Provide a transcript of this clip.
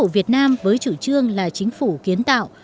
với chủ trương là chính phủ kiến tạo